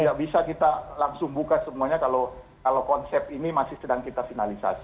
tidak bisa kita langsung buka semuanya kalau konsep ini masih sedang kita finalisasi